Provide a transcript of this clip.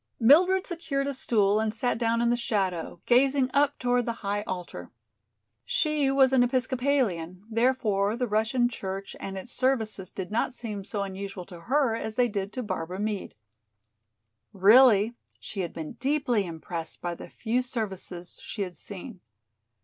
Mildred secured a stool and sat down in the shadow, gazing up toward the high altar. She was an Episcopalian, therefore the Russian church and its services did not seem so unusual to her as they did to Barbara Meade. Really she had been deeply impressed by the few services she had seen.